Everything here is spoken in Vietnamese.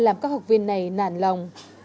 đã làm các học viên này nản lòng